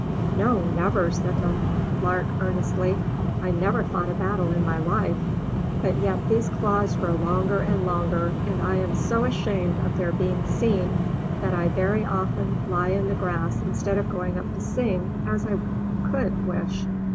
'' ''No, never!" said the Lark earnestly. "I never fought a battle in my life; but yet these claws grow longer and longer, and I am so ashamed of their being seen, that I very often lie in the grass instead of going up to sing, as I could wish."